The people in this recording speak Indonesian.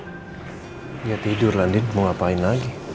gak tidur landin mau ngapain lagi